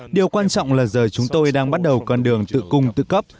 điều quan trọng là giờ chúng tôi đang bắt đầu con đường tự cung tự cấp